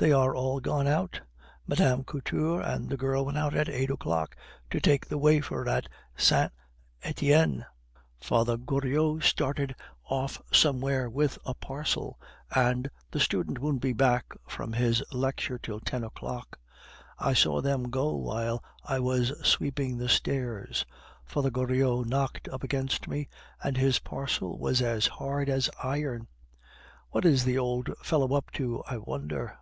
they are all gone out. Mme. Couture and the girl went out at eight o'clock to take the wafer at Saint Etienne. Father Goriot started off somewhere with a parcel, and the student won't be back from his lecture till ten o'clock. I saw them go while I was sweeping the stairs; Father Goriot knocked up against me, and his parcel was as hard as iron. What is the old fellow up to, I wonder?